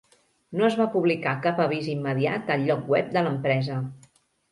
No es va publicar cap avís immediat al lloc web de l'empresa.